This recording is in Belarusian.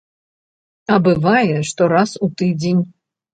А бывае, што раз у тыдзень.